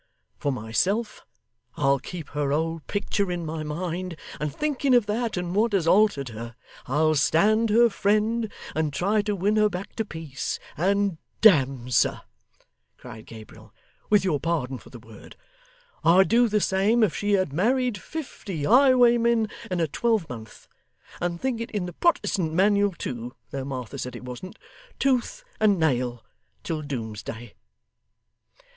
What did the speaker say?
For myself, I'll keep her old picture in my mind; and thinking of that, and what has altered her, I'll stand her friend, and try to win her back to peace. And damme, sir,' cried Gabriel, 'with your pardon for the word, I'd do the same if she had married fifty highwaymen in a twelvemonth; and think it in the Protestant Manual too, though Martha said it wasn't, tooth and nail, till doomsday!